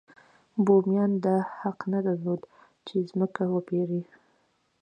بومیانو دا حق نه درلود چې ځمکې وپېري.